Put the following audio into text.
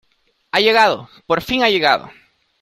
¡ Ha llegado! ¡ por fin ha llegado !